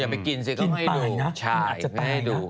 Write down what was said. อย่าไปกินสิเขาให้ดู